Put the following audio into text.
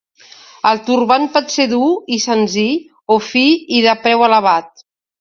El turbant pot ser dur i senzill o fi i de preu elevat.